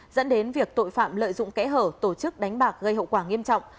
dẫn đến việc tội phạm lợi dụng kẽ hở tổ chức đánh bạc gây hậu quả nghiêm trọng